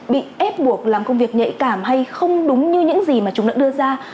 bị ép buộc làm công việc nhạy cảm hay không đúng như những gì mà chúng đã đưa ra